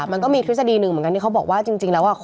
มันก็มีทฤษฎีหนึ่งเหมือนกันที่เขาบอกว่าจริงแล้ว